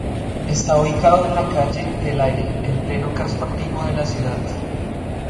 Está ubicado en la calle del Aire, en pleno casco antiguo de la ciudad.